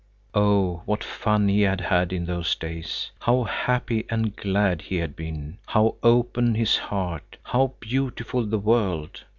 Oh, what fun he had had in those days, how happy and glad he had been, how open his heart, how beautiful the world!